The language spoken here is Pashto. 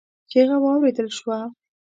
چيغه واورېدل شوه.